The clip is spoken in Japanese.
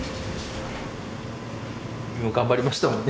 頑張りましたもんね。